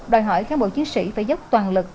đòi hỏi cán bộ chiến sĩ phải dốc toàn lực